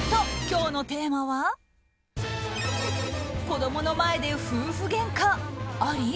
今日のテーマは子供の前で夫婦げんかあり？